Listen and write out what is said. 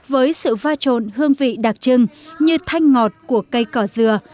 với sự va trộn hương vị đặc trưng như thanh ngọt của cây cỏ dừa